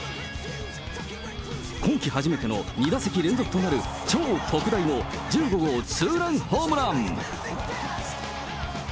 今季初めての２打席連続となる超特大の１５号ツーランホームラン。